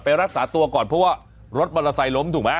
ไปรักษาตัวก่อนเพราะว่ารถมันละใสล้มถูกไหม